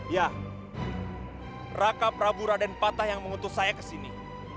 ya raka prabu raden patah yang mengutus saya kesini